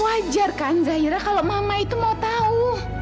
wajar kan zahira kalau mama itu mau tahu